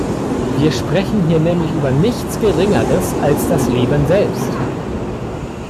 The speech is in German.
Wir sprechen hier nämlich über nichts Geringeres als das Leben selbst.